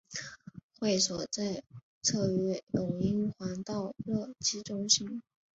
会所在鲗鱼涌英皇道乐基中心。